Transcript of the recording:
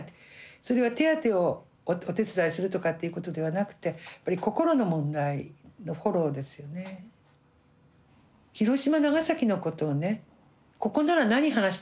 それは手当をお手伝いするとかっていうことではなくてやっぱり心の問題のフォローですよね。